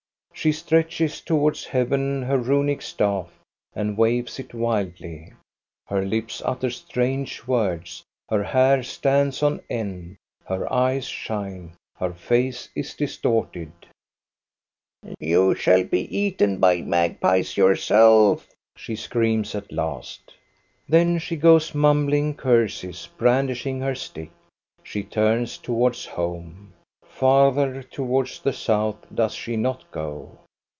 She stretches towards heaven her runic staff and waves it wildly. Her lips utter strange words. Her hair stands on end, her eyes shine, her face is distorted, " You shall be eaten by magpies yourself," she screams at last. Then she goes, mumbling curses, brandishing her stick. She turns towards home. Farther towards the south does she not go.